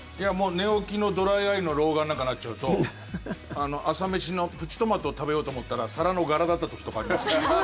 寝起きのドライアイの老眼なんかなっちゃうと朝飯のプチトマトを食べようと思ったら皿の柄だった時とかありましたね。